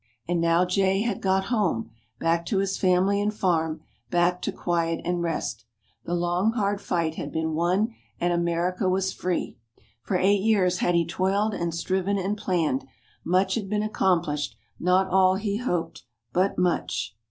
And now Jay had got home, back to his family and farm, back to quiet and rest. The long, hard fight had been won and America was free. For eight years had he toiled and striven and planned: much had been accomplished not all he hoped, but much.